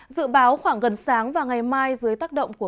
dự báo khoảng gần sáng và ngày mai dưới tác động của